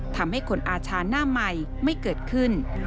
ทำให้คนอาชาหน้าใหม่ไม่เกิดขึ้น